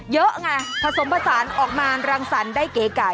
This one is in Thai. เยอะไงผสมผสานออกมารังสรรค์ได้เก๋ไก่